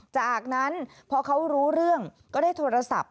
จากนั้นพอเขารู้เรื่องก็ได้โทรศัพท์